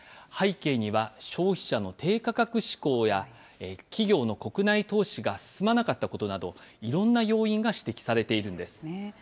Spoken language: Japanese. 背景には、消費者の低価格志向や、企業の国内投資が進まなかったことなど、いろんな要因が指摘されているんです。